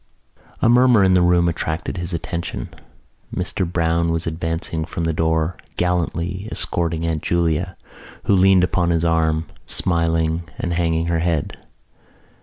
A murmur in the room attracted his attention. Mr Browne was advancing from the door, gallantly escorting Aunt Julia, who leaned upon his arm, smiling and hanging her head.